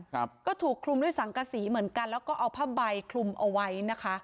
ครับก็ถูกคลุมด้วยสังกษีเหมือนกันแล้วก็เอาผ้าใบคลุมเอาไว้นะคะ